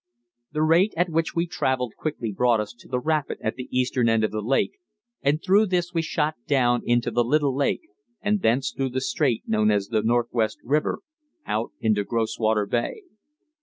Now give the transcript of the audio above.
The rate at which we travelled quickly brought us to the rapid at the eastern end of the lake, and through this we shot down into the Little Lake, and thence through the strait known as the Northwest River out into Groswater Bay.